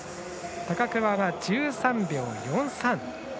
高桑が１３秒４３。